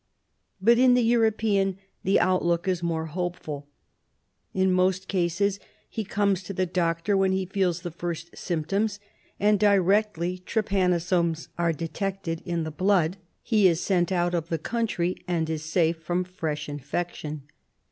But in the European the outlook is more hopeful. In most cases he comes to the doctor when he feels the first symptoms, and directly trypanosomes are detected in the blood he is sent out of the country and is safe from fresh infection.